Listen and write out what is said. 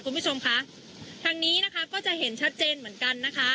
คุณผู้ชมคะทางนี้นะคะก็จะเห็นชัดเจนเหมือนกันนะคะ